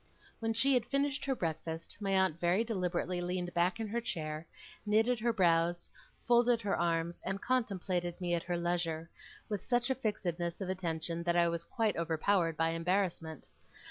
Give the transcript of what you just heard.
When she had finished her breakfast, my aunt very deliberately leaned back in her chair, knitted her brows, folded her arms, and contemplated me at her leisure, with such a fixedness of attention that I was quite overpowered by embarrassment.